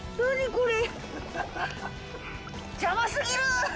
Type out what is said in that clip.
これ。